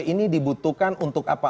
ini dibutuhkan untuk apa